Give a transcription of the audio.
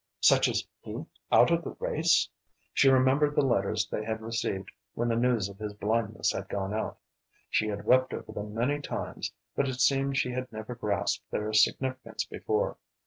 Such as he out of the race? She remembered the letters they had received when the news of his blindness had gone out. She had wept over them many times, but it seemed she had never grasped their significance before.